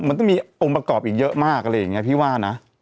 มันต้องมีองค์ประกอบอีกเยอะมากอะไรอย่างนี้พี่ว่านะ